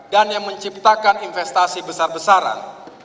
dan yang menciptakan investasi besar besaran